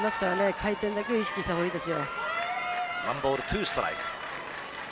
回転だけを意識したほうがいいですよ。